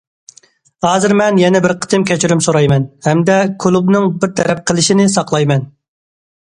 ھازىر مەن يەنە بىر قېتىم كەچۈرۈم سورايمەن، ھەمدە كۇلۇبنىڭ بىر تەرەپ قىلىشىنى ساقلايمەن.